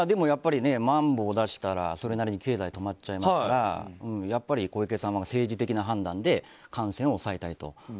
でも、まん防を出したらそれなりに経済止まっちゃいますからやっぱり小池さんは政治的な判断で感染を抑えたいと。